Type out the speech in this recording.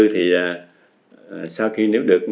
thì sau khi nếu được